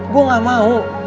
gue gak mau